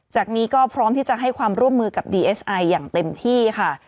จากนี้ก็พร้อมที่จะให้ความร่วมมือกับดีเอสไออย่างเต็มที่ค่ะ